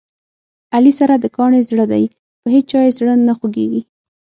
علي سره د کاڼي زړه دی، په هیچا یې زړه نه خوګېږي.